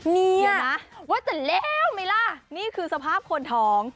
เนี่ยนะว่าจะแล้วไหมล่ะนี่คือสภาพคนท้อง